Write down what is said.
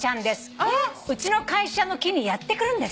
「うちの会社の木にやって来るんです」